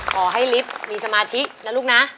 ขอให้ลิฟต์มีสมาธินะลูกนะ